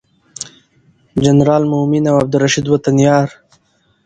د جنرال مؤمن او عبدالرشید وطن یار